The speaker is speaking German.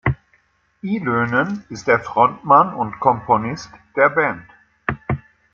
Ylönen ist der Frontmann und Komponist der Band.